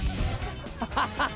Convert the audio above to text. ハハハハ。